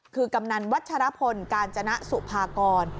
คือกำนันวัชรพลกาญจนสุภากร